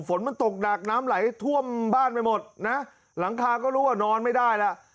ฝนมันตกหนักน้ำไหลท่วมบ้านไปหมดนะหลังคาก็รู้ว่านอนไม่ได้แล้ว